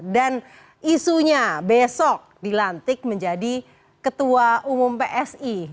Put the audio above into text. dan isunya besok dilantik menjadi ketua umum psi